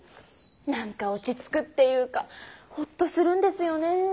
なんか落ちつくっていうかホッとするんですよねェー。